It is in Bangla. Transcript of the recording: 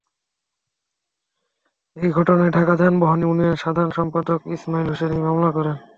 এ ঘটনায় ঢাকা যানবাহন ইউনিয়নের সাধারণ সম্পাদক ইসমাইল হোসেন এই মামলা করেন।